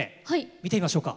見てみましょうか。